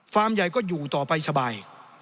ใหญ่ก็อยู่ต่อไปสบาย